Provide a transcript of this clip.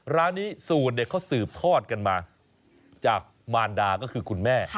ร้านนี้สูตรเขาสืบทอดกันมาจากมารดาก็คือคุณแม่